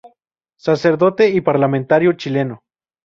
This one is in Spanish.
Sacerdote y parlamentario chileno.